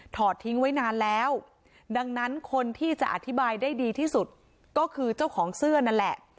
ทิ้งไว้นานแล้วดังนั้นคนที่จะอธิบายได้ดีที่สุดก็คือเจ้าของเสื้อนั่นแหละ